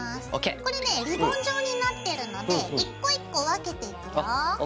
これねリボン状になってるので一個一個分けていくよ。ＯＫ。